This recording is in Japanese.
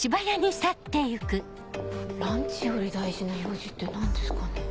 ランチより大事な用事って何ですかね？